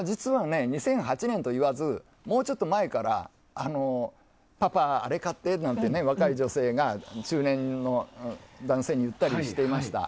実は２００８年といわずもうちょっと前からパパあれ買ってって若い女性が中年の男性に言ったりしていました。